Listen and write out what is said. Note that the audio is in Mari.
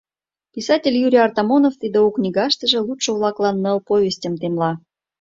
Писатель Юрий Артамонов тиде у книгаштыже лудшо-влаклан ныл повестьым темла.